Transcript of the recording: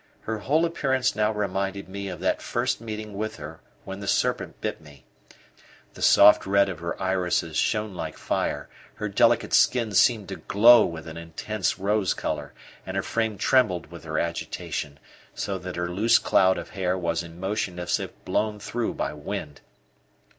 Her whole appearance now reminded me of that first meeting with her when the serpent bit me; the soft red of her irides shone like fire, her delicate skin seemed to glow with an intense rose colour, and her frame trembled with her agitation, so that her loose cloud of hair was in motion as if blown through by the wind.